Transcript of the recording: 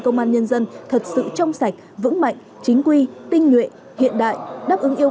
cho nhân dân thật sự trong sạch vững mạnh chính quy tinh nhuệ hiện đại đáp ứng yêu